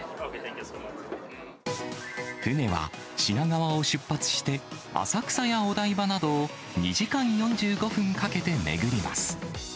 船は品川を出発して、浅草やお台場などを２時間４５分かけて巡ります。